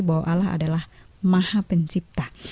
bahwa allah adalah maha pencipta